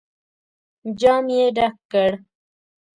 جام يې ډک کړ.